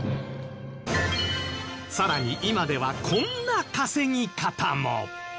さらに今ではこんな稼ぎ方も